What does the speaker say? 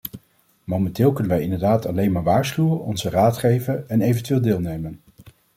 Momenteel kunnen wij inderdaad alleen maar waarschuwen, onze raad geven en eventueel deelnemen.